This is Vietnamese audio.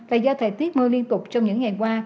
và do thời tiết mưa liên tục trong những ngày qua